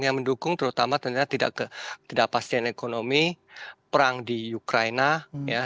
yang mendukung terutama ternyata tidak ke tidak pasien ekonomi perang di ukraina ya